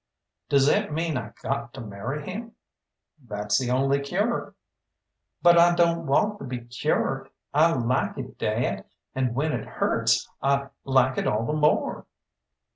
"Does that mean I got to marry him?" "That's the only cure." "But I don't want to be cured. I like it, dad, and when it hurts I like it all the more."